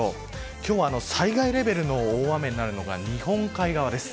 今日は災害レベルの大雨になるのが日本海側です。